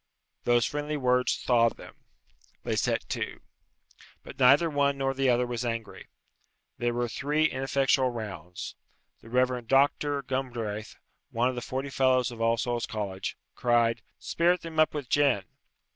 Those friendly words thawed them. They set to. But neither one nor the other was angry. There were three ineffectual rounds. The Rev. Doctor Gumdraith, one of the forty Fellows of All Souls' College, cried, "Spirit them up with gin."